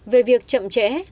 về việc chậm trễ